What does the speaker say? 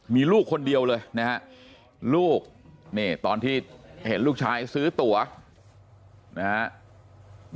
มีลูกคนเดียวเลยนะฮะลูกนี่ตอนที่เห็นลูกชายซื้อตัวนะฮะ